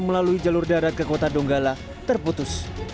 melalui jalur darat ke kota donggala terputus